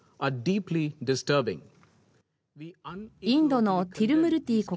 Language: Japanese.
インドのティルムルティ